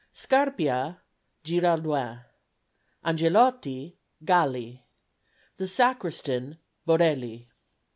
Scarpia GIRALDOIN. Angelotti GALLI. The Sacristan BORELLI.